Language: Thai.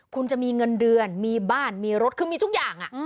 คุณจะมีเงินเดือนมีบ้านมีรถคือมีทุกอย่าง